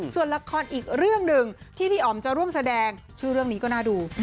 ส่วนละครอีกเรื่องหนึ่งที่พี่อ๋อมจะร่วมแสดงชื่อเรื่องนี้ก็น่าดู